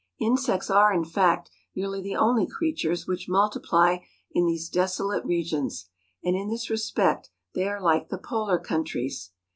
Insects are, in fact, nearly the only creatures which multiply in these desolate regions; and in this respect they are like the Polar countries.